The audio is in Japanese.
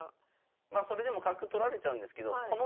まあそれでも角取られちゃうんですけどなるほど。